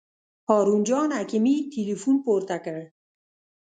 هارون جان حکیمي تیلفون پورته کړ.